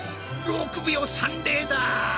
６秒３０だ。